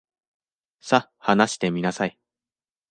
さ、話してみなさい。